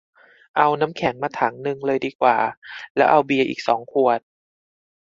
เอาน้ำแข็งมาถังนึงเลยดีกว่า แล้วเอาเบียร์อีกสองขวด